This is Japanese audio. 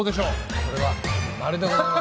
これは○でございます。